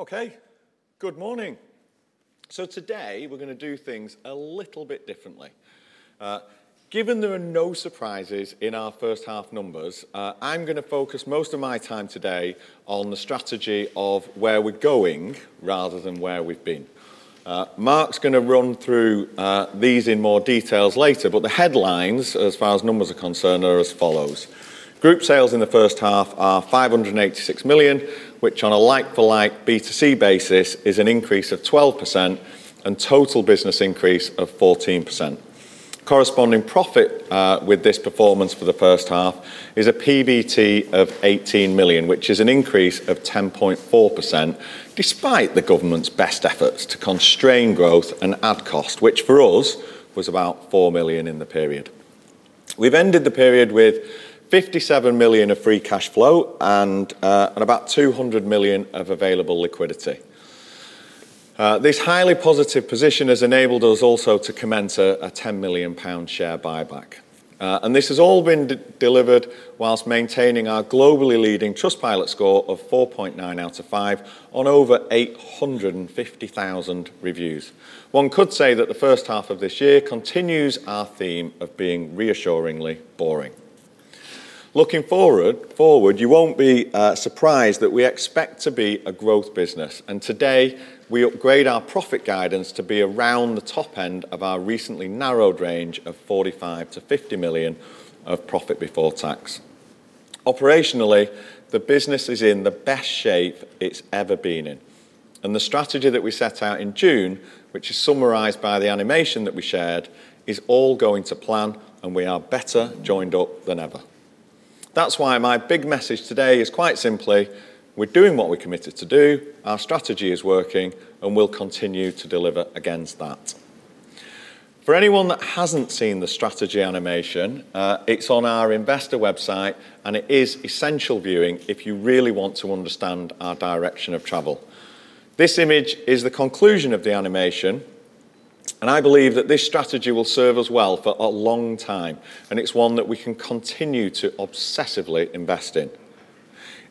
Okay, good morning. Today we're going to do things a little bit differently. Given there are no surprises in our first half numbers, I'm going to focus most of my time today on the strategy of where we're going rather than where we've been. Mark's going to run through these in more detail later, but the headlines, as far as numbers are concerned, are as follows. Group sales in the first half are 586 million, which on a like-for-like B2C basis is an increase of 12% and total business increase of 14%. Corresponding profit with this performance for the first half is a PBT of 18 million, which is an increase of 10.4% despite the government's best efforts to constrain growth and add cost, which for us was about 4 million in the period. We've ended the period with 57 million of free cash flow and about 200 million of available liquidity. This highly positive position has enabled us also to commence a 10 million pound share buyback. This has all been delivered whilst maintaining our globally leading Trustpilot score of 4.9 out of 5 on over 850,000 reviews. One could say that the first half of this year continues our theme of being reassuringly boring. Looking forward, you won't be surprised that we expect to be a growth business. Today we upgrade our profit guidance to be around the top end of our recently narrowed range of 45-50 million of profit before tax. Operationally, the business is in the best shape it's ever been in. The strategy that we set out in June, which is summarized by the animation that we shared, is all going to plan, and we are better joined up than ever. That's why my big message today is quite simply, we're doing what we committed to do, our strategy is working, and we'll continue to deliver against that. For anyone that hasn't seen the strategy animation, it's on our investor website, and it is essential viewing if you really want to understand our direction of travel. This image is the conclusion of the animation, and I believe that this strategy will serve us well for a long time, and it's one that we can continue to obsessively invest in.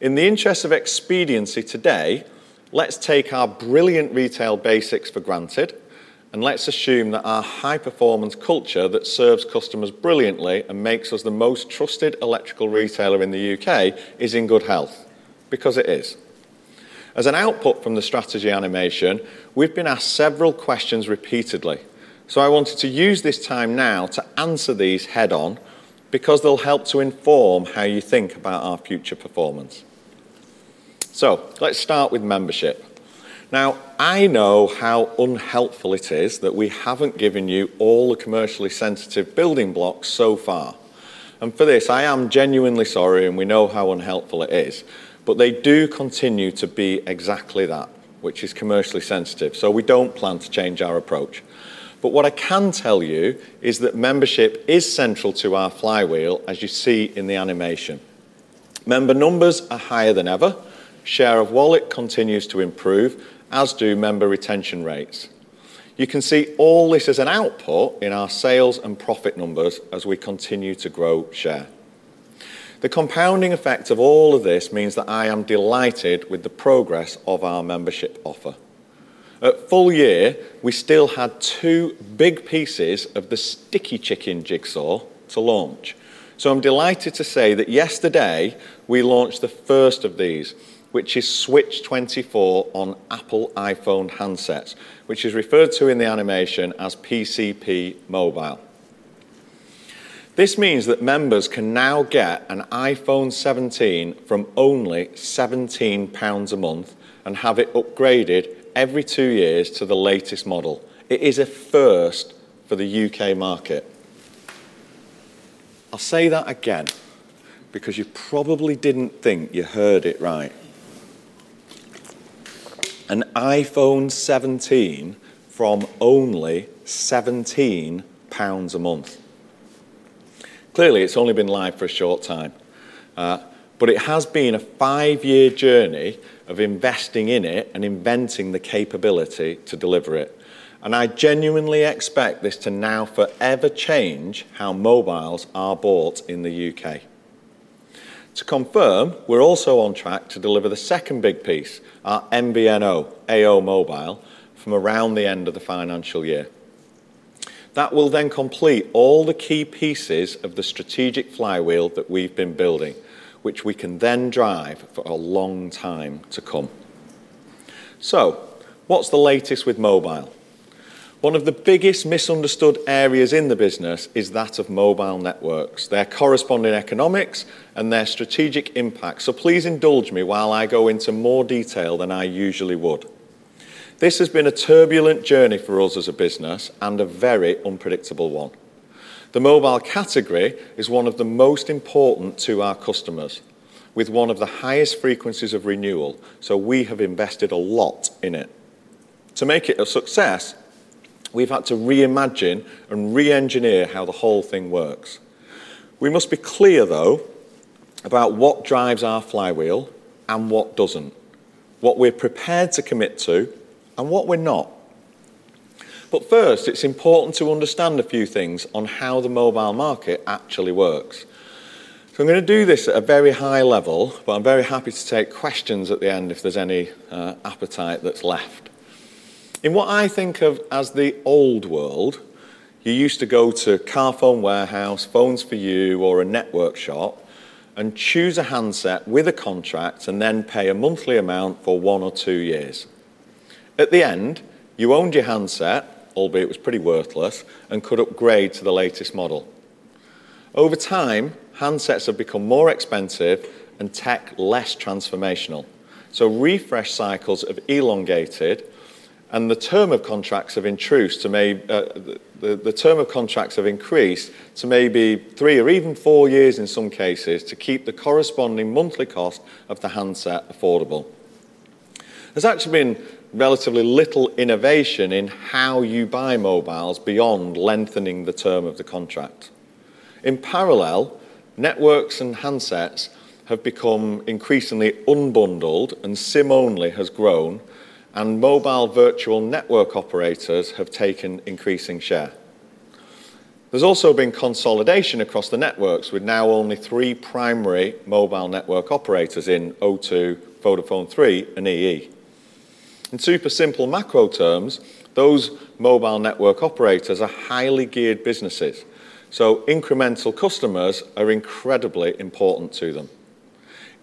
In the interest of expediency today, let's take our brilliant retail basics for granted, and let's assume that our high-performance culture that serves customers brilliantly and makes us the most trusted electrical retailer in the U.K. is in good health, because it is. As an output from the strategy animation, we've been asked several questions repeatedly, so I wanted to use this time now to answer these head-on because they'll help to inform how you think about our future performance. Let's start with membership. Now, I know how unhelpful it is that we haven't given you all the commercially sensitive building blocks so far. For this, I am genuinely sorry, and we know how unhelpful it is, but they do continue to be exactly that, which is commercially sensitive, so we don't plan to change our approach. What I can tell you is that membership is central to our flywheel, as you see in the animation. Member numbers are higher than ever, share of wallet continues to improve, as do member retention rates. You can see all this as an output in our sales and profit numbers as we continue to grow share. The compounding effect of all of this means that I am delighted with the progress of our membership offer. At full year, we still had two big pieces of the sticky chicken jigsaw to launch. I am delighted to say that yesterday we launched the first of these, which is Switch24 on Apple iPhone handsets, which is referred to in the animation as PCP mobile. This means that members can now get an iPhone 17 from only 17 pounds a month and have it upgraded every two years to the latest model. It is a first for the U.K. market. I'll say that again because you probably didn't think you heard it right. An iPhone 17 from only 17 pounds a month. Clearly, it's only been live for a short time, but it has been a five-year journey of investing in it and inventing the capability to deliver it. I genuinely expect this to now forever change how mobiles are bought in the U.K. To confirm, we're also on track to deliver the second big piece, our MVNO, AO Mobile, from around the end of the financial year. That will then complete all the key pieces of the strategic flywheel that we've been building, which we can then drive for a long time to come. What's the latest with mobile? One of the biggest misunderstood areas in the business is that of mobile networks, their corresponding economics, and their strategic impact. Please indulge me while I go into more detail than I usually would. This has been a turbulent journey for us as a business and a very unpredictable one. The mobile category is one of the most important to our customers, with one of the highest frequencies of renewal, so we have invested a lot in it. To make it a success, we've had to reimagine and re-engineer how the whole thing works. We must be clear, though, about what drives our flywheel and what does not, what we're prepared to commit to and what we're not. First, it's important to understand a few things on how the mobile market actually works. I'm going to do this at a very high level, but I'm very happy to take questions at the end if there's any appetite that's left. In what I think of as the old world, you used to go to Carphone Warehouse, Phones 4u, or a network shop, and choose a handset with a contract and then pay a monthly amount for one or two years. At the end, you owned your handset, albeit it was pretty worthless, and could upgrade to the latest model. Over time, handsets have become more expensive and tech less transformational, so refresh cycles have elongated, and the term of contracts have increased to maybe three or even four years in some cases to keep the corresponding monthly cost of the handset affordable. There's actually been relatively little innovation in how you buy mobiles beyond lengthening the term of the contract. In parallel, networks and handsets have become increasingly unbundled, and SIM only has grown, and mobile virtual network operators have taken increasing share. has also been consolidation across the networks with now only three primary mobile network operators in O2, VodafoneThree, and EE. In super simple macro terms, those mobile network operators are highly geared businesses, so incremental customers are incredibly important to them.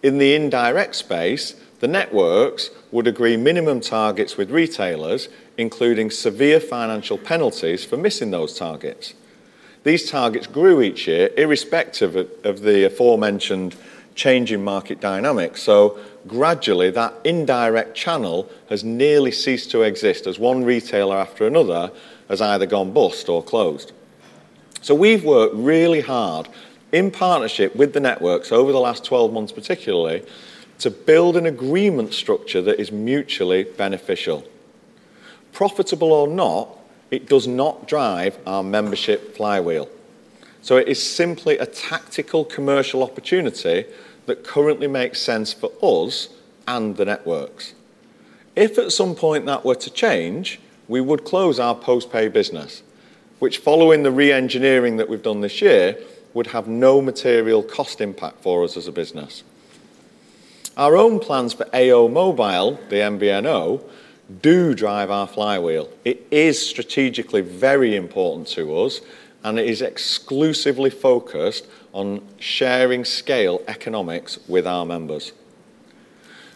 In the indirect space, the networks would agree minimum targets with retailers, including severe financial penalties for missing those targets. These targets grew each year irrespective of the aforementioned change in market dynamics, so gradually that indirect channel has nearly ceased to exist as one retailer after another has either gone bust or closed. We have worked really hard in partnership with the networks over the last 12 months particularly to build an agreement structure that is mutually beneficial. Profitable or not, it does not drive our membership flywheel. It is simply a tactical commercial opportunity that currently makes sense for us and the networks. If at some point that were to change, we would close our post-pay business, which following the re-engineering that we've done this year would have no material cost impact for us as a business. Our own plans for AO Mobile, the MVNO, do drive our flywheel. It is strategically very important to us, and it is exclusively focused on sharing scale economics with our members.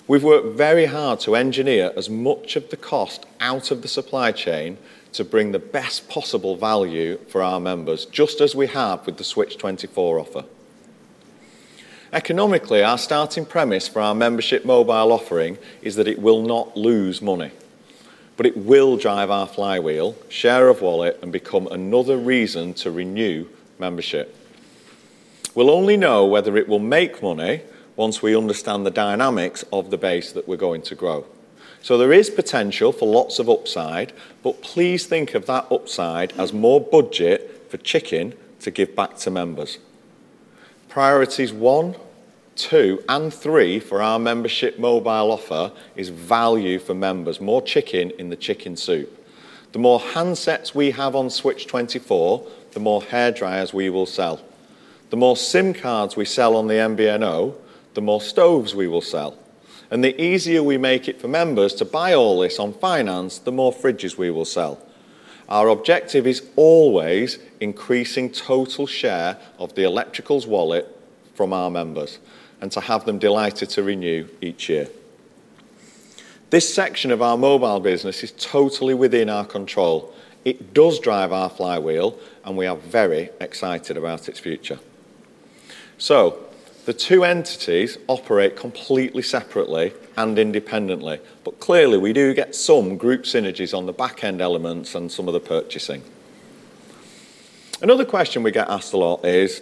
We've worked very hard to engineer as much of the cost out of the supply chain to bring the best possible value for our members, just as we have with the Switch24 offer. Economically, our starting premise for our membership mobile offering is that it will not lose money, but it will drive our flywheel, share of wallet, and become another reason to renew membership. We'll only know whether it will make money once we understand the dynamics of the base that we're going to grow. There is potential for lots of upside, but please think of that upside as more budget for chicken to give back to members. Priorities one, two, and three for our membership mobile offer is value for members, more chicken in the chicken soup. The more handsets we have on Switch24, the more hairdryers we will sell. The more SIM cards we sell on the MVNO, the more stoves we will sell. The easier we make it for members to buy all this on finance, the more fridges we will sell. Our objective is always increasing total share of the electricals wallet from our members and to have them delighted to renew each year. This section of our mobile business is totally within our control. It does drive our flywheel, and we are very excited about its future. The two entities operate completely separately and independently, but clearly we do get some group synergies on the back-end elements and some of the purchasing. Another question we get asked a lot is,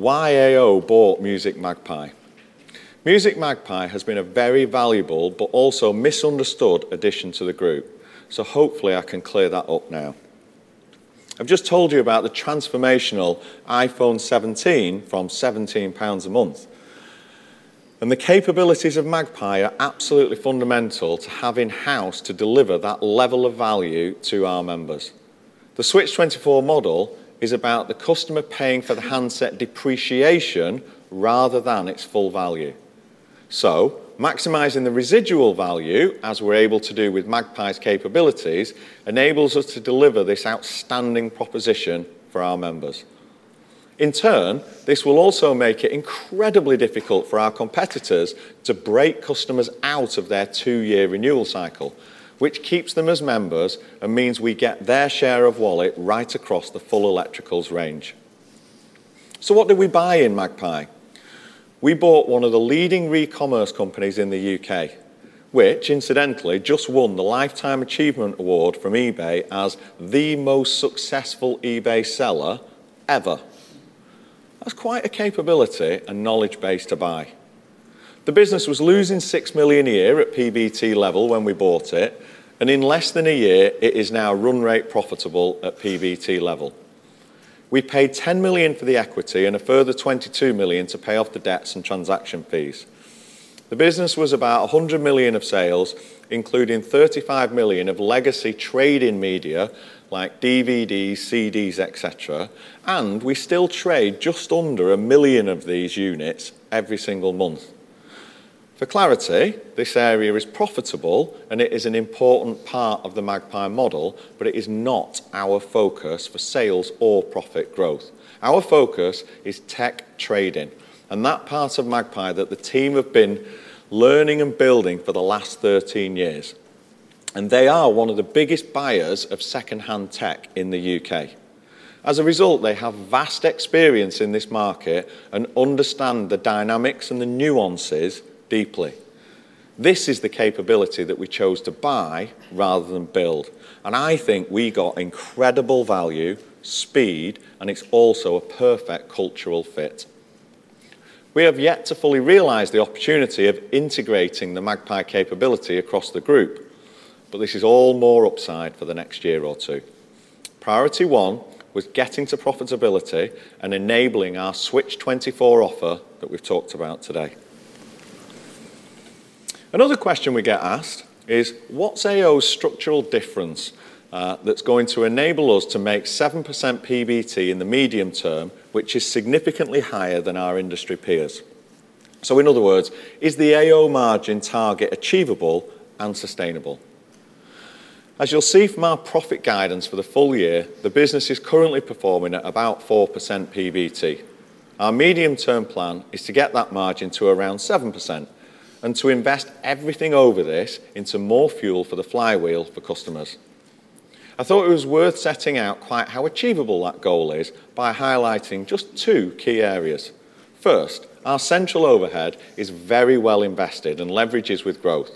why AO bought Music Magpie? Music Magpie has been a very valuable but also misunderstood addition to the group, so hopefully I can clear that up now. I've just told you about the transformational iPhone 17 from 17 pounds a month, and the capabilities of Magpie are absolutely fundamental to have in-house to deliver that level of value to our members. The Switch24 model is about the customer paying for the handset depreciation rather than its full value. Maximizing the residual value, as we're able to do with Magpie's capabilities, enables us to deliver this outstanding proposition for our members. In turn, this will also make it incredibly difficult for our competitors to break customers out of their two-year renewal cycle, which keeps them as members and means we get their share of wallet right across the full electricals range. What did we buy in Magpie? We bought one of the leading re-commerce companies in the U.K., which incidentally just won the Lifetime Achievement Award from eBay as the most successful eBay seller ever. That's quite a capability and knowledge base to buy. The business was losing 6 million a year at PBT level when we bought it, and in less than a year, it is now run rate profitable at PBT level. We paid 10 million for the equity and a further 22 million to pay off the debts and transaction fees. The business was about 100 million of sales, including 35 million of legacy trading media like DVDs, CDs, etc., and we still trade just under a million of these units every single month. For clarity, this area is profitable, and it is an important part of the Magpie model, but it is not our focus for sales or profit growth. Our focus is tech trading, and that part of Magpie that the team have been learning and building for the last 13 years. They are one of the biggest buyers of secondhand tech in the U.K. As a result, they have vast experience in this market and understand the dynamics and the nuances deeply. This is the capability that we chose to buy rather than build, and I think we got incredible value, speed, and it is also a perfect cultural fit. We have yet to fully realize the opportunity of integrating the Magpie capability across the group, but this is all more upside for the next year or two. Priority one was getting to profitability and enabling our Switch24 offer that we've talked about today. Another question we get asked is, what's AO's structural difference that's going to enable us to make 7% PBT in the medium term, which is significantly higher than our industry peers? In other words, is the AO margin target achievable and sustainable? As you'll see from our profit guidance for the full year, the business is currently performing at about 4% PBT. Our medium-term plan is to get that margin to around 7% and to invest everything over this into more fuel for the flywheel for customers. I thought it was worth setting out quite how achievable that goal is by highlighting just two key areas. First, our central overhead is very well invested and leverages with growth.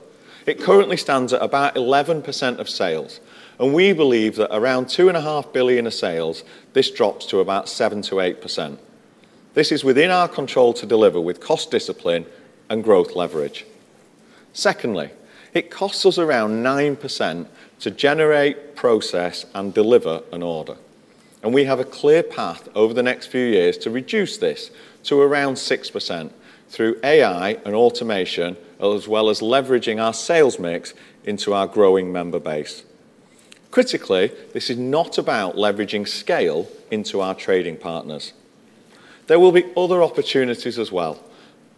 It currently stands at about 11% of sales, and we believe that around 2.5 billion of sales, this drops to about 7%-8%. This is within our control to deliver with cost discipline and growth leverage. Secondly, it costs us around 9% to generate, process, and deliver an order, and we have a clear path over the next few years to reduce this to around 6% through AI and automation, as well as leveraging our sales mix into our growing member base. Critically, this is not about leveraging scale into our trading partners. There will be other opportunities as well,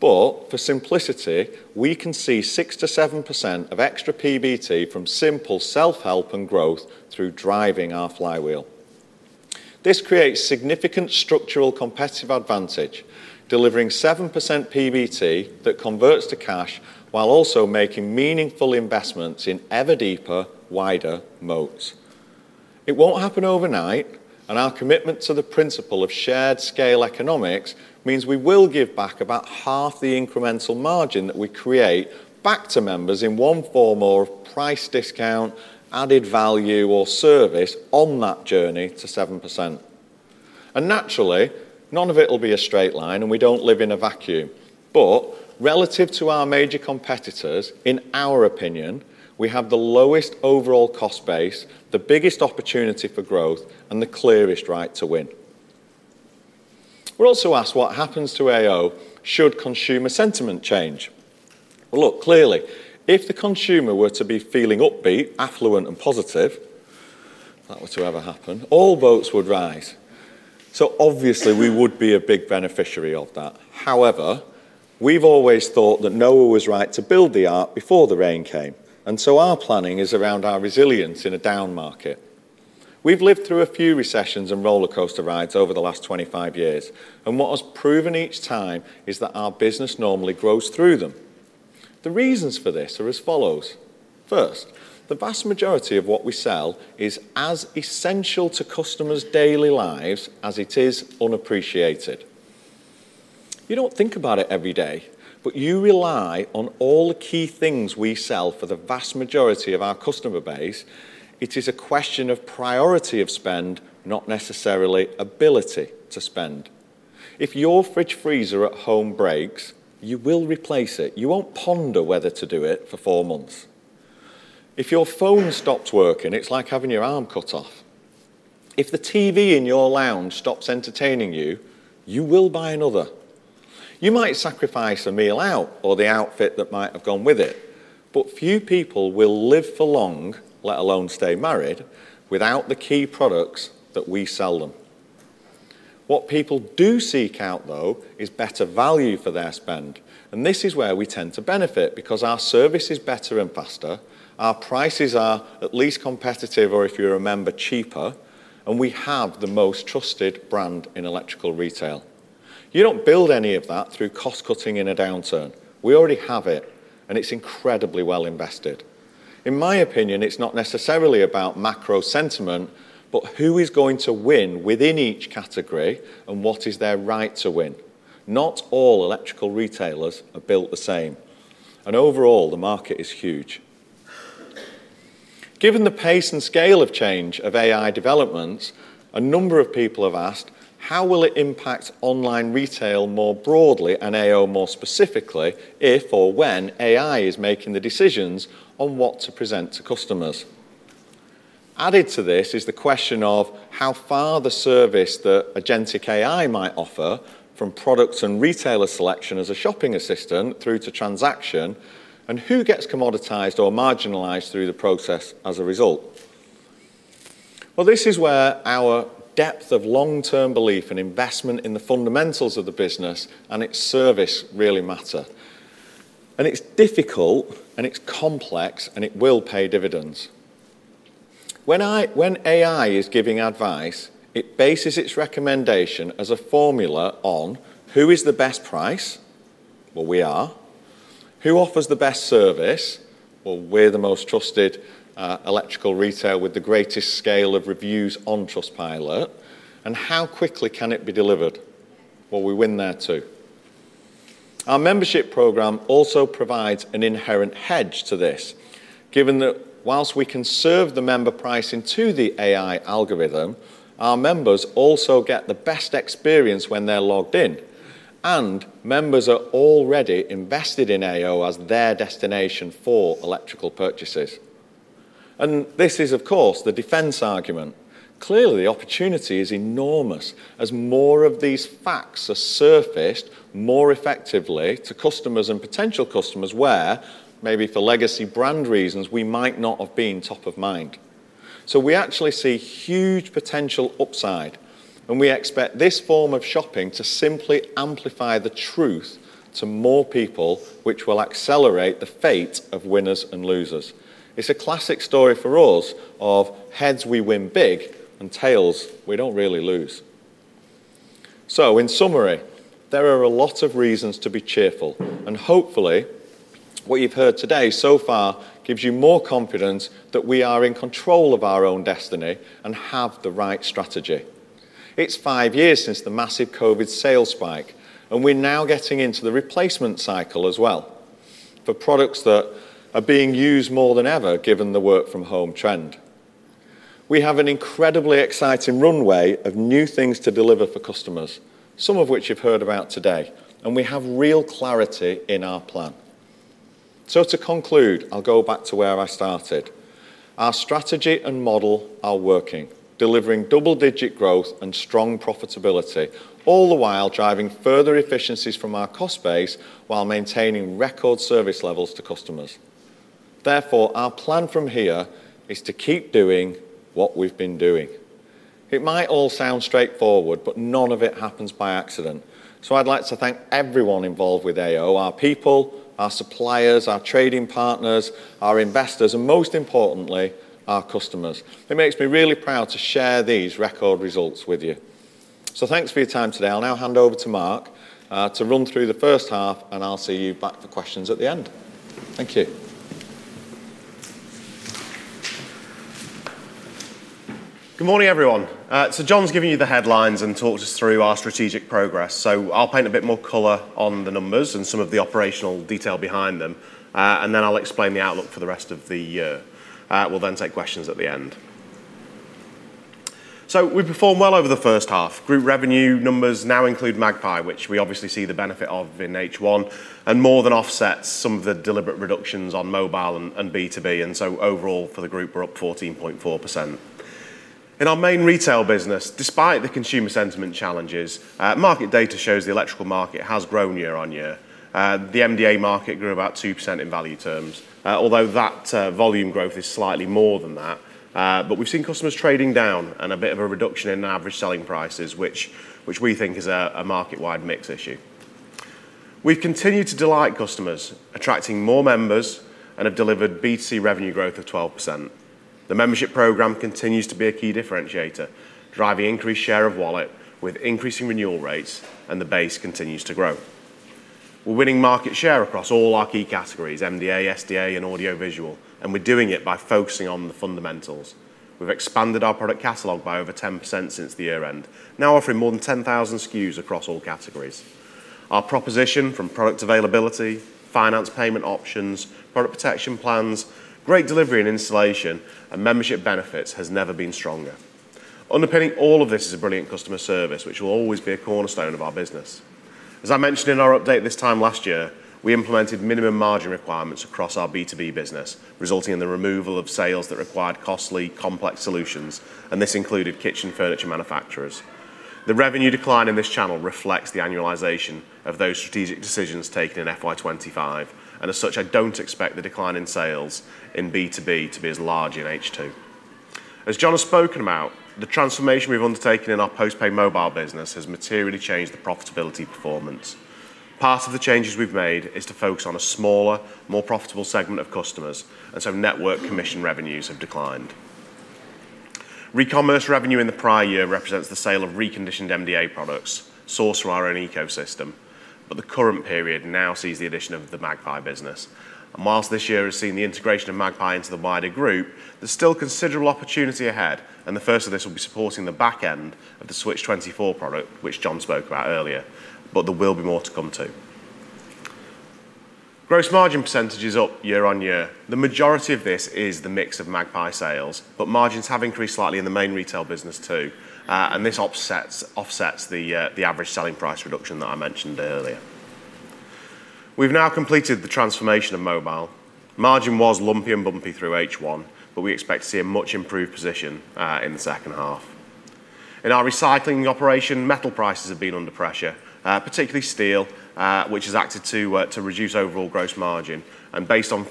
but for simplicity, we can see 6%-7% of extra PBT from simple self-help and growth through driving our flywheel. This creates significant structural competitive advantage, delivering 7% PBT that converts to cash while also making meaningful investments in ever deeper, wider moats. It will not happen overnight, and our commitment to the principle of shared scale economics means we will give back about half the incremental margin that we create back to members in one form or price discount, added value, or service on that journey to 7%. Naturally, none of it will be a straight line, and we do not live in a vacuum, but relative to our major competitors, in our opinion, we have the lowest overall cost base, the biggest opportunity for growth, and the clearest right to win. We're also asked what happens to AO should consumer sentiment change. Look, clearly, if the consumer were to be feeling upbeat, affluent, and positive, if that were to ever happen, all boats would rise. Obviously, we would be a big beneficiary of that. However, we've always thought that Noah was right to build the ark before the rain came, and our planning is around our resilience in a down market. We've lived through a few recessions and roller coaster rides over the last 25 years, and what has proven each time is that our business normally grows through them. The reasons for this are as follows. First, the vast majority of what we sell is as essential to customers' daily lives as it is unappreciated. You don't think about it every day, but you rely on all the key things we sell for the vast majority of our customer base. It is a question of priority of spend, not necessarily ability to spend. If your fridge freezer at home breaks, you will replace it. You won't ponder whether to do it for four months. If your phone stops working, it's like having your arm cut off. If the TV in your lounge stops entertaining you, you will buy another. You might sacrifice a meal out or the outfit that might have gone with it, but few people will live for long, let alone stay married, without the key products that we sell them. What people do seek out, though, is better value for their spend, and this is where we tend to benefit because our service is better and faster, our prices are at least competitive, or if you're a member, cheaper, and we have the most trusted brand in electrical retail. You don't build any of that through cost-cutting in a downturn. We already have it, and it's incredibly well invested. In my opinion, it's not necessarily about macro sentiment, but who is going to win within each category and what is their right to win. Not all electrical retailers are built the same, and overall, the market is huge. Given the pace and scale of change of AI developments, a number of people have asked how will it impact online retail more broadly and AO more specifically if or when AI is making the decisions on what to present to customers. Added to this is the question of how far the service that Agentic AI might offer from products and retailer selection as a shopping assistant through to transaction, and who gets commoditized or marginalized through the process as a result. This is where our depth of long-term belief and investment in the fundamentals of the business and its service really matter. It is difficult, and it is complex, and it will pay dividends. When AI is giving advice, it bases its recommendation as a formula on who is the best price, we are. Who offers the best service? We are the most trusted electrical retail with the greatest scale of reviews on Trustpilot and how quickly can it be delivered. We win there too. Our membership program also provides an inherent hedge to this, given that whilst we can serve the member price into the AI algorithm, our members also get the best experience when they're logged in, and members are already invested in AO as their destination for electrical purchases. This is, of course, the defense argument. Clearly, the opportunity is enormous as more of these facts are surfaced more effectively to customers and potential customers where, maybe for legacy brand reasons, we might not have been top of mind. We actually see huge potential upside, and we expect this form of shopping to simply amplify the truth to more people, which will accelerate the fate of winners and losers. It's a classic story for us of heads we win big and tails we don't really lose. In summary, there are a lot of reasons to be cheerful, and hopefully what you've heard today so far gives you more confidence that we are in control of our own destiny and have the right strategy. It's five years since the massive COVID sales spike, and we're now getting into the replacement cycle as well for products that are being used more than ever given the work-from-home trend. We have an incredibly exciting runway of new things to deliver for customers, some of which you've heard about today, and we have real clarity in our plan. To conclude, I'll go back to where I started. Our strategy and model are working, delivering double-digit growth and strong profitability, all the while driving further efficiencies from our cost base while maintaining record service levels to customers. Therefore, our plan from here is to keep doing what we've been doing. It might all sound straightforward, but none of it happens by accident. I'd like to thank everyone involved with AO, our people, our suppliers, our trading partners, our investors, and most importantly, our customers. It makes me really proud to share these record results with you. Thanks for your time today. I'll now hand over to Mark to run through the first half, and I'll see you back for questions at the end. Thank you. Good morning, everyone. John's giving you the headlines and talked us through our strategic progress. I'll paint a bit more color on the numbers and some of the operational detail behind them, and then I'll explain the outlook for the rest of the year. We'll then take questions at the end. We performed well over the first half. Group revenue numbers now include Magpie, which we obviously see the benefit of in H1, and more than offsets some of the deliberate reductions on mobile and B2B. Overall, for the group, we are up 14.4%. In our main retail business, despite the consumer sentiment challenges, market data shows the electrical market has grown year-on-year. The MDA market grew about 2% in value terms, although that volume growth is slightly more than that. We have seen customers trading down and a bit of a reduction in average selling prices, which we think is a market-wide mix issue. We have continued to delight customers, attracting more members, and have delivered B2C revenue growth of 12%. The membership program continues to be a key differentiator, driving increased share of wallet with increasing renewal rates, and the base continues to grow. We're winning market share across all our key categories: MDA, SDA, and audio-visual, and we're doing it by focusing on the fundamentals. We've expanded our product catalog by over 10% since the year-end, now offering more than 10,000 SKUs across all categories. Our proposition from product availability, finance payment options, product protection plans, great delivery and installation, and membership benefits has never been stronger. Underpinning all of this is a brilliant customer service, which will always be a cornerstone of our business. As I mentioned in our update this time last year, we implemented minimum margin requirements across our B2B business, resulting in the removal of sales that required costly, complex solutions, and this included kitchen furniture manufacturers. The revenue decline in this channel reflects the annualization of those strategic decisions taken in FY2025, and as such, I do not expect the decline in sales in B2B to be as large in H2. As John has spoken about, the transformation we have undertaken in our postpaid mobile business has materially changed the profitability performance. Part of the changes we have made is to focus on a smaller, more profitable segment of customers, and so network commission revenues have declined. Re-commerce revenue in the prior year represents the sale of reconditioned MDA products sourced from our own ecosystem, but the current period now sees the addition of the Magpie business. Whilst this year has seen the integration of Magpie into the wider group, there's still considerable opportunity ahead, and the first of this will be supporting the backend of the Switch24 product, which John spoke about earlier. There will be more to come too. Gross margin percentage is up year-on-year. The majority of this is the mix of Magpie sales, but margins have increased slightly in the main retail business too, and this offsets the average selling price reduction that I mentioned earlier. We've now completed the transformation of mobile. Margin was lumpy and bumpy through H1, but we expect to see a much improved position in the second half. In our recycling operation, metal prices have been under pressure, particularly steel, which has acted to reduce overall gross margin, and based on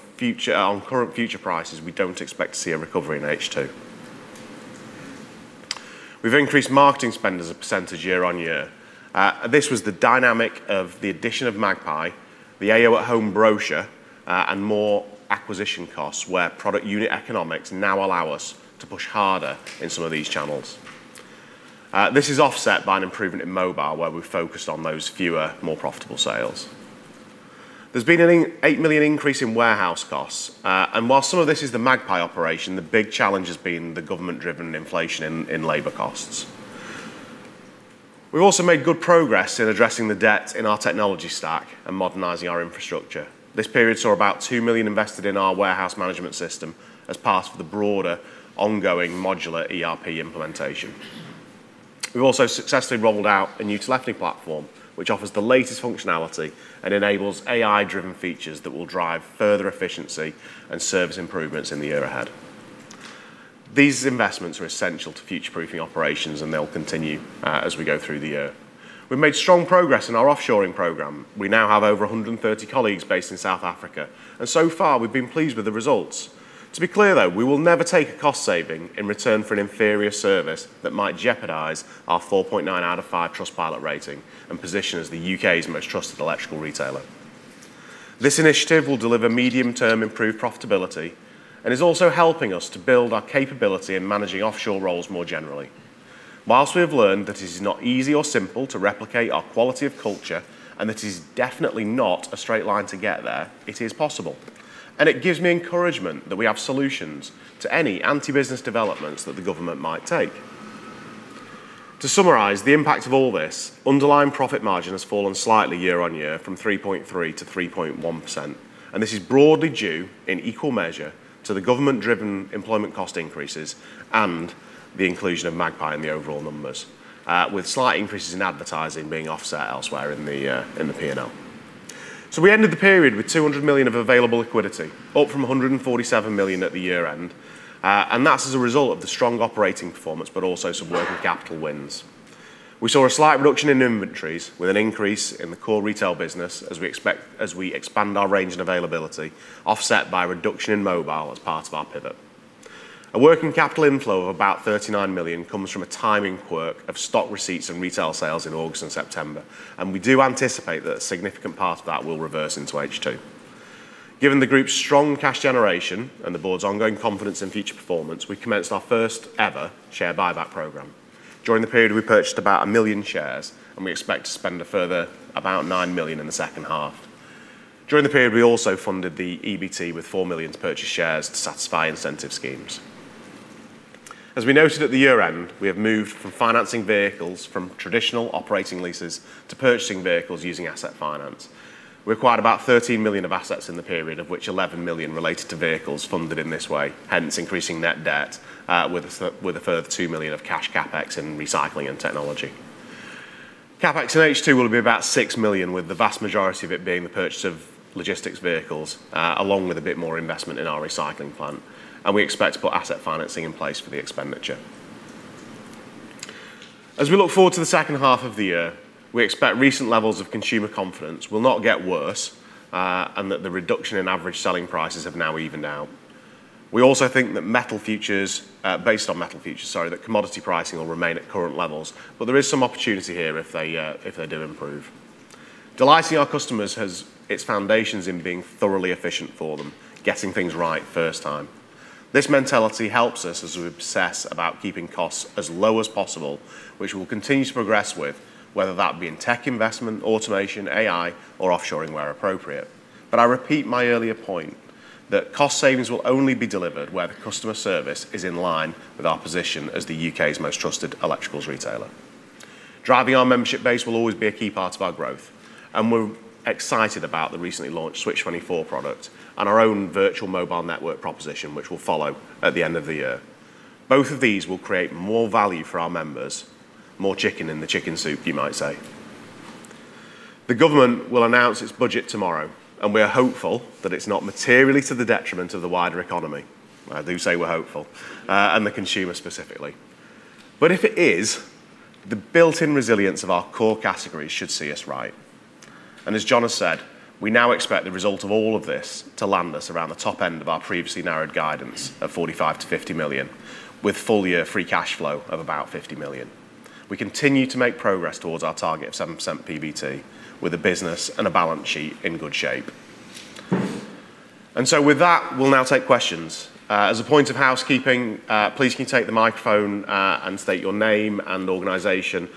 current future prices, we don't expect to see a recovery in H2. We've increased marketing spend as a percentage year-on-year. This was the dynamic of the addition of Magpie, the AO at home brochure, and more acquisition costs where product unit economics now allow us to push harder in some of these channels. This is offset by an improvement in mobile where we've focused on those fewer, more profitable sales. There's been a 8 million increase in warehouse costs, and while some of this is the Magpie operation, the big challenge has been the government-driven inflation in labor costs. We've also made good progress in addressing the debt in our technology stack and modernizing our infrastructure. This period saw about 2 million invested in our warehouse management system as part of the broader ongoing modular ERP implementation. We've also successfully rolled out a new telephony platform, which offers the latest functionality and enables AI-driven features that will drive further efficiency and service improvements in the year ahead. These investments are essential to future-proofing operations, and they'll continue as we go through the year. We've made strong progress in our offshoring program. We now have over 130 colleagues based in South Africa, and so far, we've been pleased with the results. To be clear, though, we will never take a cost saving in return for an inferior service that might jeopardize our 4.9 out of 5 Trustpilot rating and position as the U.K.'s most trusted electrical retailer. This initiative will deliver medium-term improved profitability and is also helping us to build our capability in managing offshore roles more generally. Whilst we have learned that it is not easy or simple to replicate our quality of culture and that it is definitely not a straight line to get there, it is possible. It gives me encouragement that we have solutions to any anti-business developments that the government might take. To summarize the impact of all this, underlying profit margin has fallen slightly year-on-year from 3.3%-3.1%, and this is broadly due in equal measure to the government-driven employment cost increases and the inclusion of Magpie in the overall numbers, with slight increases in advertising being offset elsewhere in the P&L. We ended the period with 200 million of available liquidity, up from 147 million at the year-end, and that is as a result of the strong operating performance, but also some working capital wins. We saw a slight reduction in inventories with an increase in the core retail business as we expect as we expand our range and availability, offset by a reduction in mobile as part of our pivot. A working capital inflow of about 39 million comes from a timing quirk of stock receipts and retail sales in August and September, and we do anticipate that a significant part of that will reverse into H2. Given the group's strong cash generation and the board's ongoing confidence in future performance, we commenced our first-ever share buyback program. During the period, we purchased about a million shares, and we expect to spend a further about 9 million in the second half. During the period, we also funded the EBT with 4 million to purchase shares to satisfy incentive schemes. As we noted at the year-end, we have moved from financing vehicles from traditional operating leases to purchasing vehicles using asset finance. We acquired about 13 million of assets in the period, of which 11 million related to vehicles funded in this way, hence increasing net debt with a further 2 million of cash CapEx in recycling and technology. CapEx in H2 will be about 6 million, with the vast majority of it being the purchase of logistics vehicles, along with a bit more investment in our recycling plant. We expect to put asset financing in place for the expenditure. As we look forward to the second half of the year, we expect recent levels of consumer confidence will not get worse and that the reduction in average selling prices have now evened out. We also think that metal futures, based on metal futures, sorry, that commodity pricing will remain at current levels, but there is some opportunity here if they do improve. Delighting our customers has its foundations in being thoroughly efficient for them, getting things right first time. This mentality helps us as we obsess about keeping costs as low as possible, which we'll continue to progress with, whether that be in tech investment, automation, AI, or offshoring where appropriate. I repeat my earlier point that cost savings will only be delivered where the customer service is in line with our position as the U.K.'s most trusted electricals retailer. Driving our membership base will always be a key part of our growth, and we're excited about the recently launched Switch24 product and our own virtual mobile network proposition, which will follow at the end of the year. Both of these will create more value for our members, more chicken in the chicken soup, you might say. The government will announce its budget tomorrow, and we are hopeful that it's not materially to the detriment of the wider economy. I do say we're hopeful, and the consumer specifically. If it is, the built-in resilience of our core categories should see us right. As John has said, we now expect the result of all of this to land us around the top end of our previously narrowed guidance of 45-50 million, with full-year free cash flow of about 50 million. We continue to make progress towards our target of 7% PBT with a business and a balance sheet in good shape. With that, we'll now take questions. As a point of housekeeping, please can you take the microphone and state your name and organization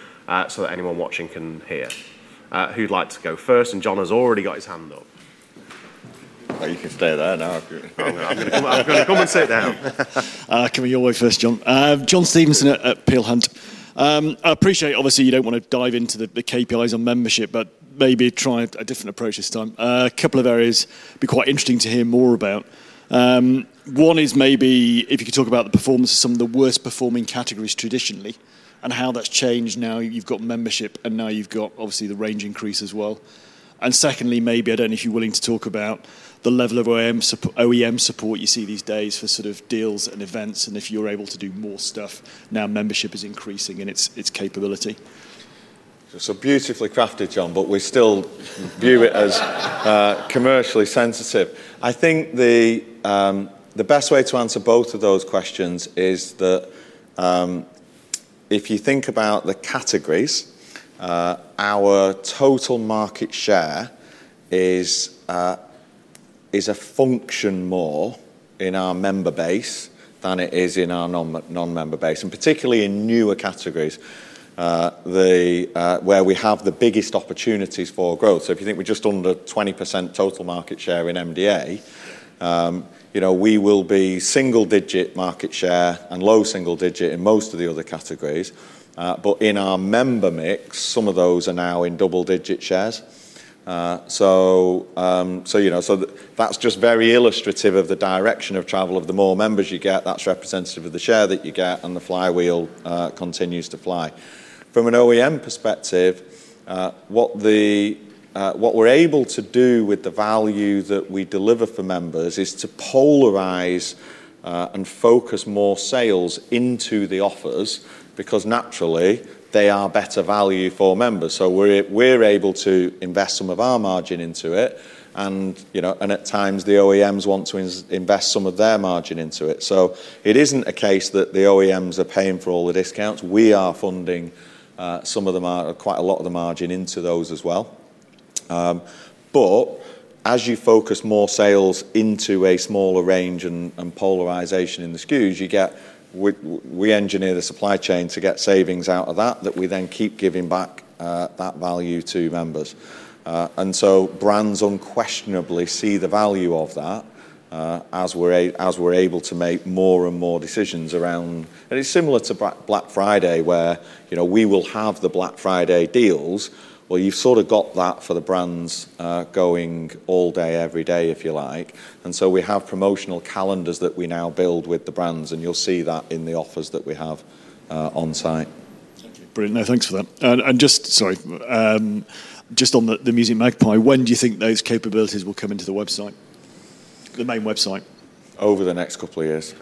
so that anyone watching can hear? Who would like to go first? John has already got his hand up. You can stay there now. I'm going to come and sit down. Can we get your way first, John? John Stevenson at Peel Hunt. I appreciate, obviously, you don't want to dive into the KPIs on membership, but maybe try a different approach this time. A couple of areas would be quite interesting to hear more about. One is maybe if you could talk about the performance of some of the worst-performing categories traditionally and how that's changed. Now you've got membership, and now you've got, obviously, the range increase as well. Secondly, maybe, I do not know if you are willing to talk about the level of OEM support you see these days for sort of deals and events, and if you are able to do more stuff. Now membership is increasing in its capability. Beautifully crafted, John, but we still view it as commercially sensitive. I think the best way to answer both of those questions is that if you think about the categories, our total market share is a function more in our member base than it is in our non-member base, and particularly in newer categories where we have the biggest opportunities for growth. If you think we are just under 20% total market share in MDA, we will be single-digit market share and low single-digit in most of the other categories. In our member mix, some of those are now in double-digit shares. That is just very illustrative of the direction of travel of the more members you get. That is representative of the share that you get, and the flywheel continues to fly. From an OEM perspective, what we are able to do with the value that we deliver for members is to polarize and focus more sales into the offers because, naturally, they are better value for members. We are able to invest some of our margin into it, and at times, the OEMs want to invest some of their margin into it. It is not a case that the OEMs are paying for all the discounts. We are funding some of the margin, quite a lot of the margin into those as well. As you focus more sales into a smaller range and polarization in the SKUs, we engineer the supply chain to get savings out of that that we then keep giving back that value to members. Brands unquestionably see the value of that as we're able to make more and more decisions around. It's similar to Black Friday where we will have the Black Friday deals. You've sort of got that for the brands going all day, every day, if you like. We have promotional calendars that we now build with the brands, and you'll see that in the offers that we have on site. Thank you. Brilliant. No, thanks for that. Just, sorry, just on the Music Magpie, when do you think those capabilities will come into the website, the main website? Over the next couple of years.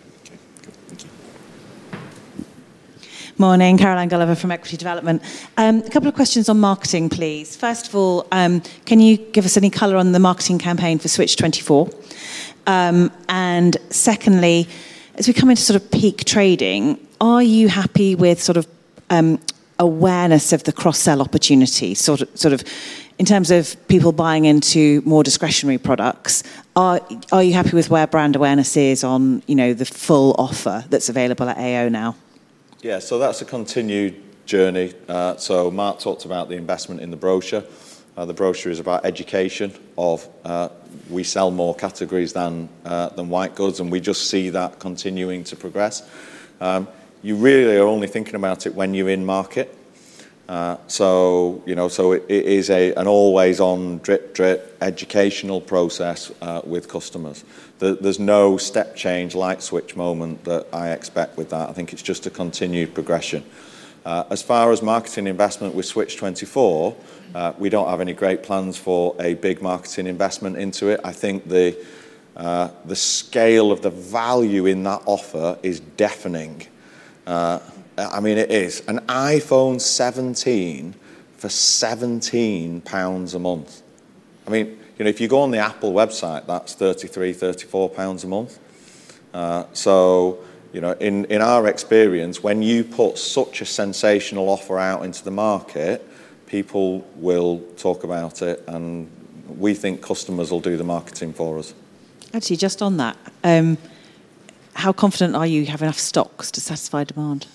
Okay. Thank you. Thank you. Morning. Caroline Gulliver from Equity Development. A couple of questions on marketing, please. First of all, can you give us any color on the marketing campaign for Switch24? Secondly, as we come into sort of peak trading, are you happy with sort of awareness of the cross-sell opportunity sort of in terms of people buying into more discretionary products? Are you happy with where brand awareness is on the full offer that's available at AO now? Yeah. That is a continued journey. Mark talked about the investment in the brochure. The brochure is about education of we sell more categories than white goods, and we just see that continuing to progress. You really are only thinking about it when you're in market. It is an always-on, drip-drip educational process with customers. There is no step change, light switch moment that I expect with that. I think it's just a continued progression. As far as marketing investment with Switch24, we don't have any great plans for a big marketing investment into it. I think the scale of the value in that offer is deafening. I mean, it is. An iPhone 17 for 17 pounds a month. I mean, if you go on the Apple website, that's 33, 34 pounds a month. In our experience, when you put such a sensational offer out into the market, people will talk about it, and we think customers will do the marketing for us. Actually, just on that, how confident are you you have enough stocks to satisfy demand?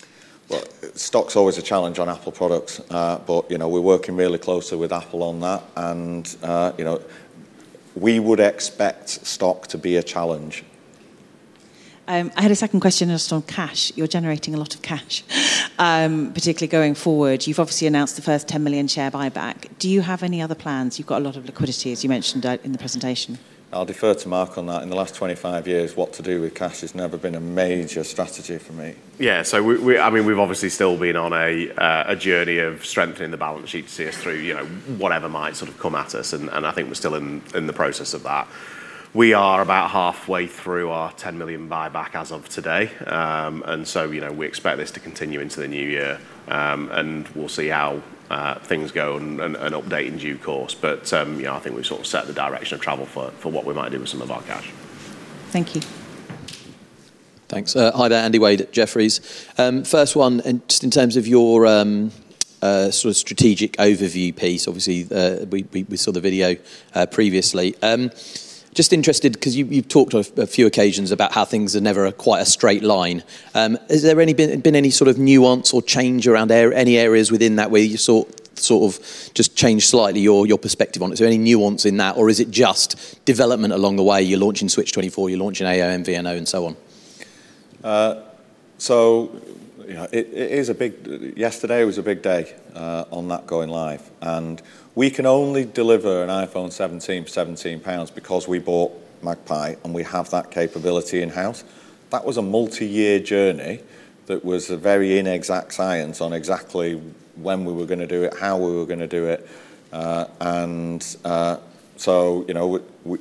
Stock's always a challenge on Apple products, but we're working really closely with Apple on that, and we would expect stock to be a challenge. I had a second question just on cash. You're generating a lot of cash, particularly going forward. You've obviously announced the first 10 million share buyback. Do you have any other plans? You've got a lot of liquidity, as you mentioned in the presentation. I'll defer to Mark on that. In the last 25 years, what to do with cash has never been a major strategy for me. Yeah. I mean, we've obviously still been on a journey of strengthening the balance sheet to see us through whatever might sort of come at us, and I think we're still in the process of that. We are about halfway through our 10 million buyback as of today, and we expect this to continue into the new year, and we'll see how things go and update in due course. I think we've sort of set the direction of travel for what we might do with some of our cash. Thank you. Thanks. Hi there, Andy Wade at Jefferies. First one, just in terms of your sort of strategic overview piece, obviously, we saw the video previously. Just interested because you've talked on a few occasions about how things are never quite a straight line. Has there been any sort of nuance or change around any areas within that where you sort of just changed slightly your perspective on it? Is there any nuance in that, or is it just development along the way? You're launching Switch24, you're launching AO, MVNO, and so on. It is a big yesterday was a big day on that going live. We can only deliver an iPhone 17 for 17 pounds because we bought Magpie, and we have that capability in-house. That was a multi-year journey that was a very inexact science on exactly when we were going to do it, how we were going to do it.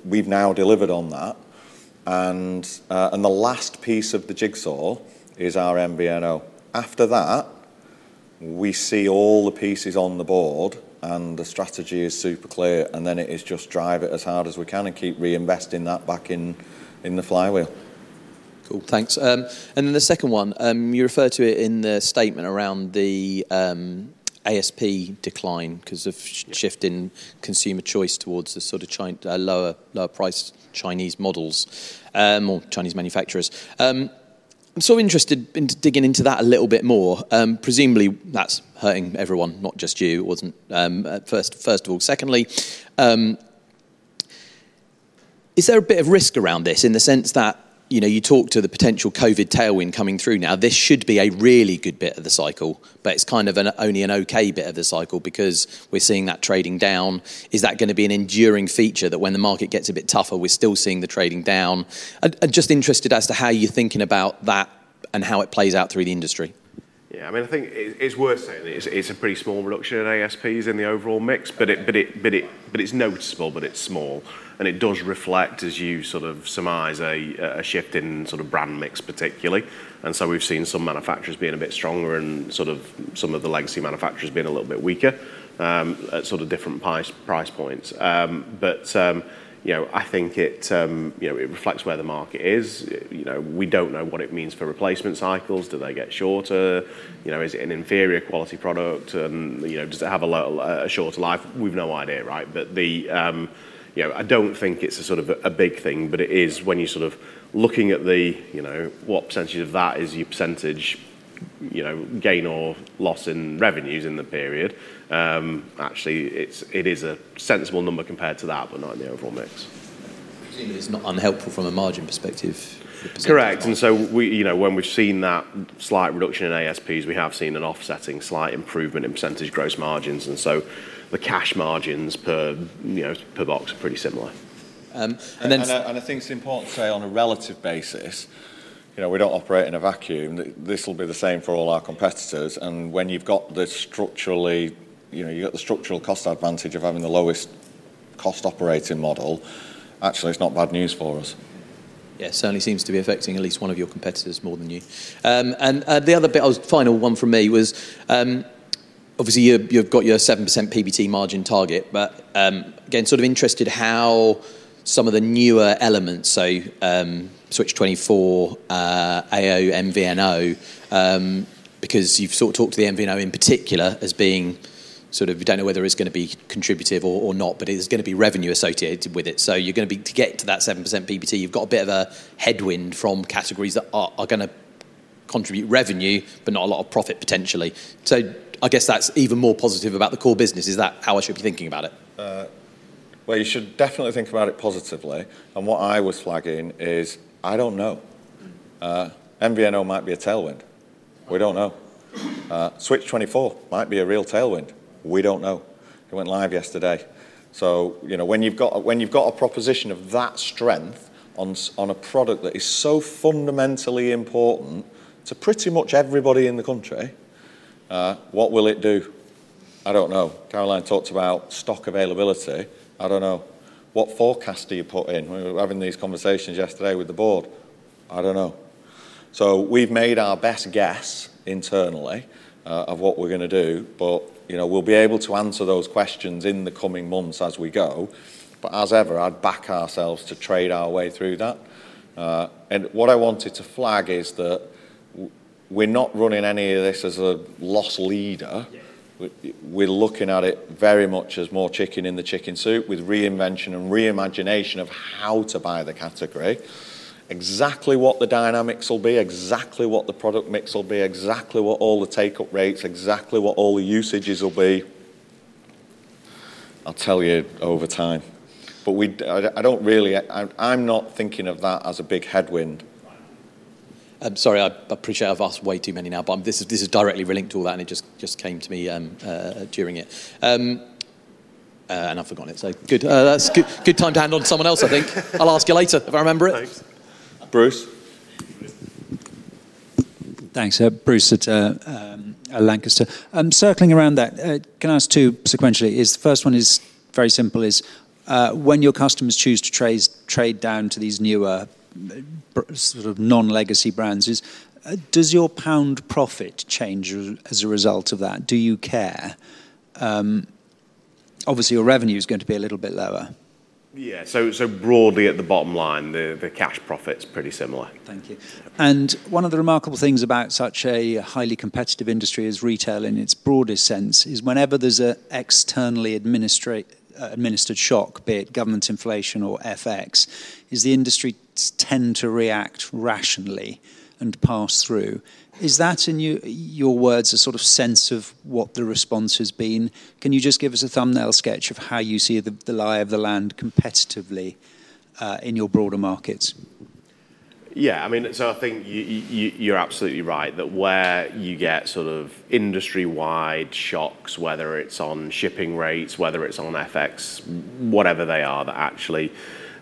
We have now delivered on that. The last piece of the jigsaw is our MVNO. After that, we see all the pieces on the board, and the strategy is super clear. It is just drive it as hard as we can and keep reinvesting that back in the flywheel. Cool. Thanks. The second one, you refer to it in the statement around the ASP decline because of shift in consumer choice towards the sort of lower-priced Chinese models or Chinese manufacturers. I'm sort of interested in digging into that a little bit more. Presumably, that's hurting everyone, not just you, first of all. Secondly, is there a bit of risk around this in the sense that you talk to the potential COVID tailwind coming through now? This should be a really good bit of the cycle, but it's kind of only an okay bit of the cycle because we're seeing that trading down. Is that going to be an enduring feature that when the market gets a bit tougher, we're still seeing the trading down? I'm just interested as to how you're thinking about that and how it plays out through the industry. Yeah. I mean, I think it's worth saying that it's a pretty small reduction in ASPs in the overall mix, but it's noticeable, but it's small. And it does reflect, as you sort of surmise, a shift in sort of brand mix particularly. We have seen some manufacturers being a bit stronger and some of the legacy manufacturers being a little bit weaker at different price points. I think it reflects where the market is. We do not know what it means for replacement cycles. Do they get shorter? Is it an inferior quality product? Does it have a shorter life? We have no idea, right? I do not think it is a big thing, but it is when you are looking at what percentage of that is your percentage gain or loss in revenues in the period. Actually, it is a sensible number compared to that, but not in the overall mix. It is not unhelpful from a margin perspective. Correct. When we have seen that slight reduction in ASPs, we have seen an offsetting slight improvement in percentage gross margins. The cash margins per box are pretty similar. I think it's important to say on a relative basis, we don't operate in a vacuum. This will be the same for all our competitors. When you've got the structural cost advantage of having the lowest cost operating model, actually, it's not bad news for us. Yeah. Certainly seems to be affecting at least one of your competitors more than you. The other final one from me was, obviously, you've got your 7% PBT margin target, but again, sort of interested how some of the newer elements, so Switch24, AO, MVNO, because you've sort of talked to the MVNO in particular as being sort of you don't know whether it's going to be contributed or not, but it's going to be revenue associated with it. You're going to be to get to that 7% PBT, you've got a bit of a headwind from categories that are going to contribute revenue, but not a lot of profit potentially. I guess that's even more positive about the core business. Is that how I should be thinking about it? You should definitely think about it positively. What I was flagging is I don't know. MVNO might be a tailwind. We don't know. Switch24 might be a real tailwind. We don't know. It went live yesterday. When you've got a proposition of that strength on a product that is so fundamentally important to pretty much everybody in the country, what will it do? I don't know. Caroline talked about stock availability. I don't know. What forecast do you put in? We were having these conversations yesterday with the board. I don't know. We have made our best guess internally of what we are going to do, but we will be able to answer those questions in the coming months as we go. As ever, I would back ourselves to trade our way through that. What I wanted to flag is that we are not running any of this as a loss leader. We are looking at it very much as more chicken in the chicken soup with reinvention and reimagination of how to buy the category. Exactly what the dynamics will be, exactly what the product mix will be, exactly what all the take-up rates, exactly what all the usages will be. I will tell you over time. I am not thinking of that as a big headwind. Sorry, I appreciate I have asked way too many now, but this is directly related to all that, and it just came to me during it. I've forgotten it, so good. That's a good time to hand on to someone else, I think. I'll ask you later if I remember it. Thanks. Bruce. Thanks. Bruce at Lancaster. Circling around that, can I ask two sequentially? The first one is very simple. When your customers choose to trade down to these newer sort of non-legacy brands, does your pound profit change as a result of that? Do you care? Obviously, your revenue is going to be a little bit lower. Yeah. Broadly, at the bottom line, the cash profit's pretty similar. Thank you. One of the remarkable things about such a highly competitive industry as retail in its broadest sense is whenever there's an externally administered shock, be it government inflation or FX, the industry tends to react rationally and pass through. Is that, in your words, a sort of sense of what the response has been? Can you just give us a thumbnail sketch of how you see the lie of the land competitively in your broader markets? Yeah. I mean, I think you're absolutely right that where you get sort of industry-wide shocks, whether it's on shipping rates, whether it's on FX, whatever they are, that actually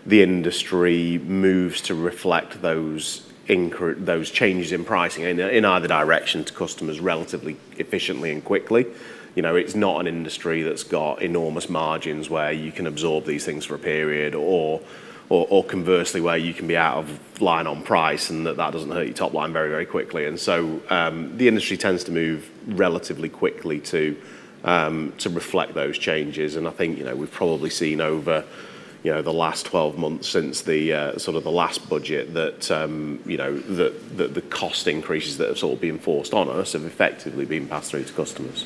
the industry moves to reflect those changes in pricing in either direction to customers relatively efficiently and quickly. It's not an industry that's got enormous margins where you can absorb these things for a period or conversely where you can be out of line on price and that that doesn't hurt your top line very, very quickly. The industry tends to move relatively quickly to reflect those changes. I think we've probably seen over the last 12 months since sort of the last budget that the cost increases that have sort of been forced on us have effectively been passed through to customers.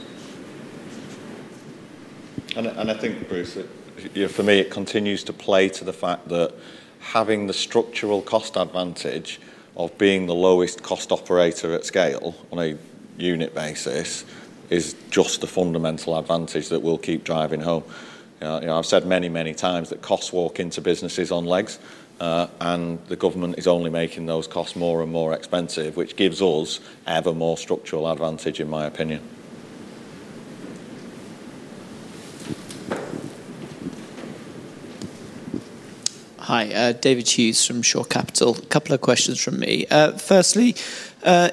I think, Bruce, for me, it continues to play to the fact that having the structural cost advantage of being the lowest cost operator at scale on a unit basis is just a fundamental advantage that we'll keep driving home. I've said many, many times that costs walk into businesses on legs, and the government is only making those costs more and more expensive, which gives us ever more structural advantage, in my opinion. Hi. David Hughes from Shore Capital. A couple of questions from me. Firstly,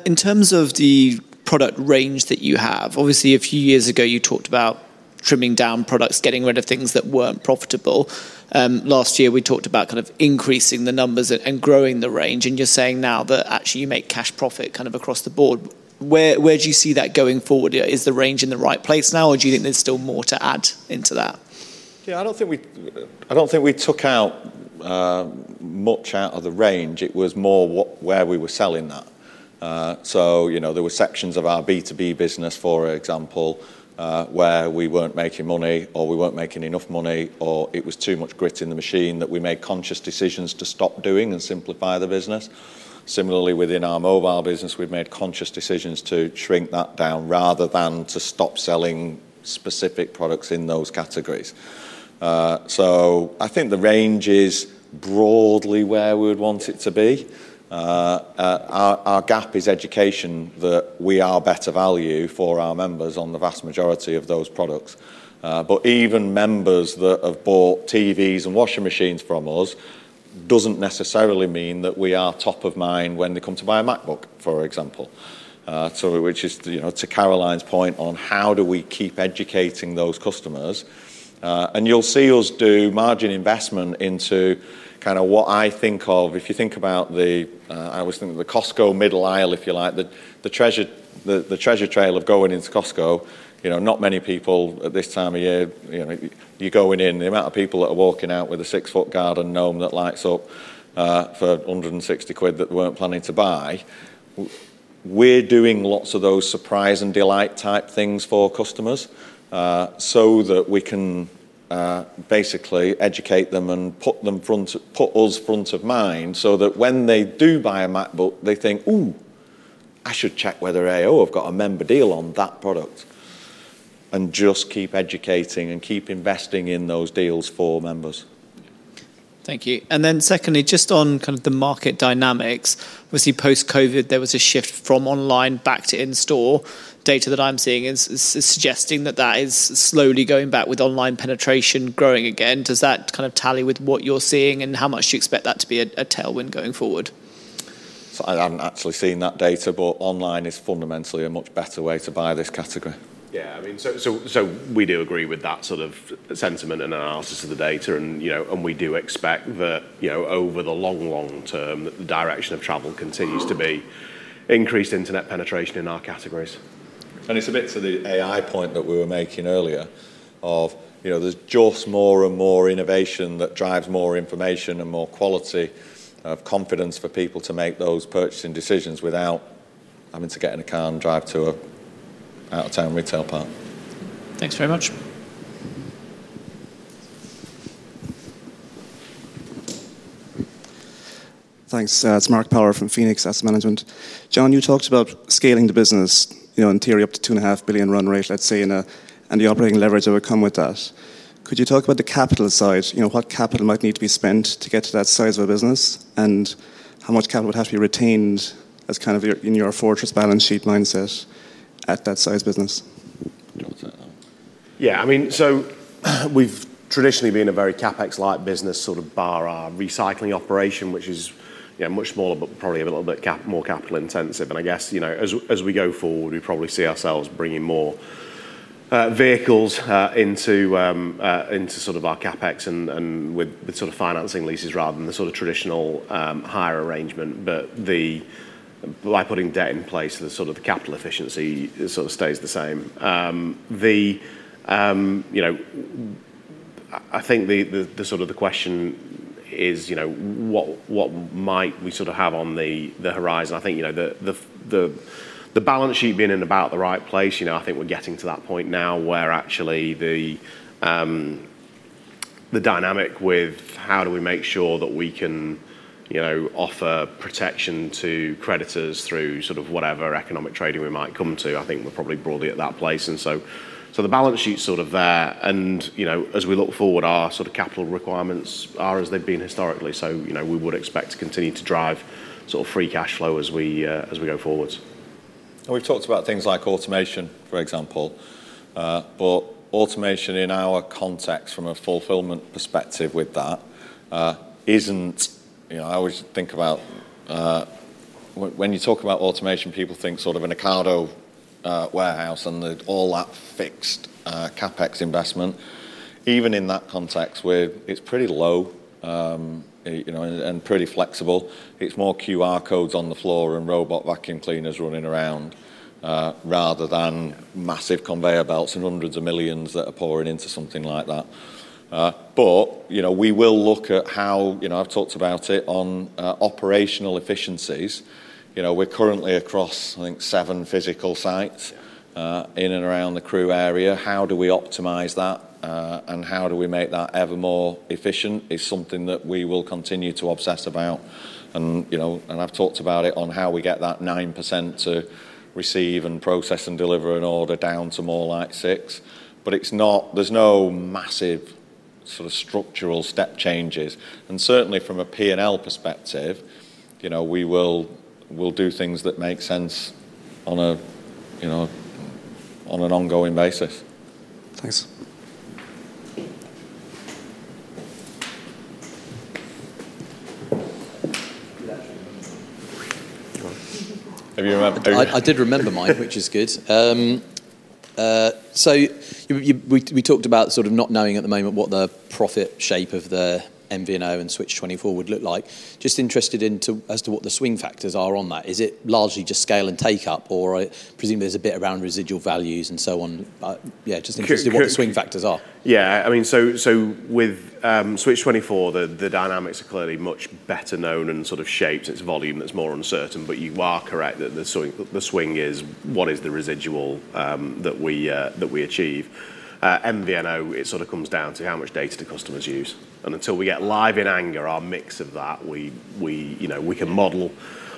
in terms of the product range that you have, obviously, a few years ago, you talked about trimming down products, getting rid of things that were not profitable. Last year, we talked about kind of increasing the numbers and growing the range. You are saying now that actually you make cash profit kind of across the board. Where do you see that going forward? Is the range in the right place now, or do you think there is still more to add into that? Yeah. I do not think we took out much out of the range. It was more where we were selling that. There were sections of our B2B business, for example, where we were not making money or we were not making enough money, or it was too much grit in the machine that we made conscious decisions to stop doing and simplify the business. Similarly, within our mobile business, we've made conscious decisions to shrink that down rather than to stop selling specific products in those categories. I think the range is broadly where we would want it to be. Our gap is education that we are better value for our members on the vast majority of those products. Even members that have bought TVs and washing machines from us doesn't necessarily mean that we are top of mind when they come to buy a MacBook, for example, which is to Caroline's point on how do we keep educating those customers. You'll see us do margin investment into kind of what I think of, if you think about the, I always think of the Costco middle aisle, if you like, the treasure trail of going into Costco. Not many people at this time of year, you're going in, the amount of people that are walking out with a six-foot garden gnome that lights up for 160 quid that weren't planning to buy. We're doing lots of those surprise and delight type things for customers so that we can basically educate them and put us front of mind so that when they do buy a MacBook, they think, "Ooh, I should check whether AO have got a member deal on that product," and just keep educating and keep investing in those deals for members. Thank you. Secondly, just on kind of the market dynamics, obviously, post-COVID, there was a shift from online back to in-store. Data that I'm seeing is suggesting that that is slowly going back with online penetration growing again. Does that kind of tally with what you're seeing and how much do you expect that to be a tailwind going forward? I haven't actually seen that data, but online is fundamentally a much better way to buy this category. Yeah. I mean, we do agree with that sort of sentiment and analysis of the data. We do expect that over the long, long term, the direction of travel continues to be increased internet penetration in our categories. It is a bit to the AI point that we were making earlier of there's just more and more innovation that drives more information and more quality of confidence for people to make those purchasing decisions without, I mean, to get in a car and drive to an out-of-town retail part. Thanks very much. Thanks. It's Mark Power from Phoenix Asset Management. John, you talked about scaling the business in theory up to 2.5 billion run rate, let's say, and the operating leverage that would come with that. Could you talk about the capital side, what capital might need to be spent to get to that size of a business and how much capital would have to be retained as kind of in your fortress balance sheet mindset at that size business? Yeah. I mean, we have traditionally been a very CapEx-light business sort of bar our recycling operation, which is much smaller, but probably a little bit more capital intensive. I guess as we go forward, we probably see ourselves bringing more vehicles into sort of our CapEx and with sort of financing leases rather than the sort of traditional hire arrangement. By putting debt in place, the capital efficiency sort of stays the same. I think sort of the question is, what might we sort of have on the horizon? I think the balance sheet being in about the right place, I think we're getting to that point now where actually the dynamic with how do we make sure that we can offer protection to creditors through sort of whatever economic trading we might come to, I think we're probably broadly at that place. The balance sheet's sort of there. As we look forward, our sort of capital requirements are as they've been historically. We would expect to continue to drive sort of free cash flow as we go forwards. We've talked about things like automation, for example. Automation in our context from a fulfillment perspective with that is not, I always think about when you talk about automation, people think sort of an Ocado warehouse and all that fixed CapEx investment. Even in that context, it is pretty low and pretty flexible. It is more QR codes on the floor and robot vacuum cleaners running around rather than massive conveyor belts and hundreds of millions that are pouring into something like that. We will look at how I have talked about it on operational efficiencies. We are currently across, I think, seven physical sites in and around the Crewe area. How do we optimize that and how do we make that ever more efficient is something that we will continue to obsess about. I have talked about it on how we get that 9% to receive and process and deliver an order down to more like 6%. There's no massive sort of structural step changes. Certainly from a P&L perspective, we will do things that make sense on an ongoing basis. Thanks. Have you remembered? I did remember mine, which is good. We talked about sort of not knowing at the moment what the profit shape of the MVNO and Switch24 would look like. Just interested as to what the swing factors are on that. Is it largely just scale and take-up, or I presume there's a bit around residual values and so on? Yeah, just interested in what the swing factors are. Yeah. I mean, with Switch24, the dynamics are clearly much better known and sort of shaped. It's volume that's more uncertain. You are correct that the swing is what is the residual that we achieve. MVNO, it sort of comes down to how much data the customers use. Until we get live in anger, our mix of that, we can model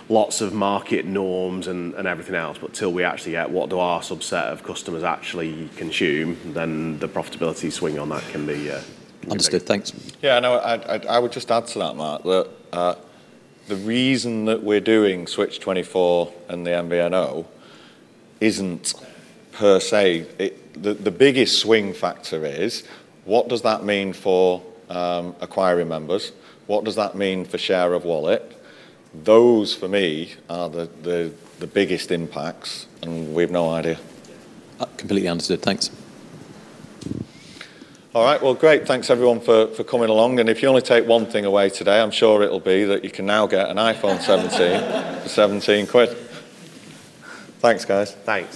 lots of market norms and everything else. Until we actually get what do our subset of customers actually consume, then the profitability swing on that can be a big deal. Understood. Thanks. Yeah. I would just add to that, Mark, that the reason that we're doing Switch24 and the MVNO is not per se. The biggest swing factor is what does that mean for acquiring members? What does that mean for share of wallet? Those, for me, are the biggest impacts, and we have no idea. Completely understood. Thanks. All right. Great. Thanks, everyone, for coming along. If you only take one thing away today, I'm sure it will be that you can now get an iPhone 17 for 17 quid. Thanks, guys. Thanks.